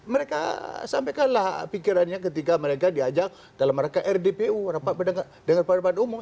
mereka sampaikan lah pikirannya ketika mereka diajak dalam mereka rdpu rapat berdengar dengar pada umum